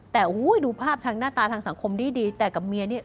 แต่โหดูภาพทางหน้าตาศังคมดีแต่กับเมียนี่ตะหนีมากเลยโหยนี้ฉันไม่เคยเจอ